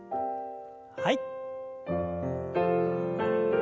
はい。